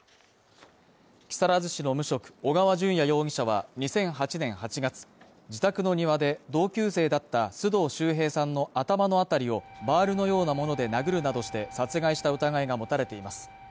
木更津市の無職小川順也容疑者は、２００８年８月、自宅の庭で同級生だった須藤秀平さんの頭のあたりをバールのようなもので殴るなどして殺害した疑いが持たれています。